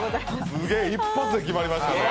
すげー、一発で決まりましたね。